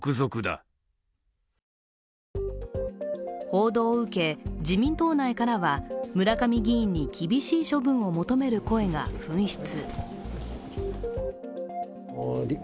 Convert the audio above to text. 報道を受け自民党内からは、村上議員に厳しい処分を求める声が噴出。